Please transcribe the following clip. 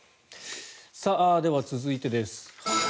では、続いてです。